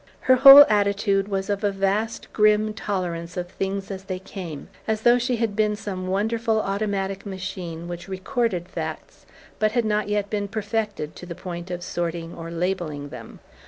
Her whole attitude was of a vast grim tolerance of things as they came, as though she had been some wonderful automatic machine which recorded facts but had not yet been perfected to the point of sorting or labelling them.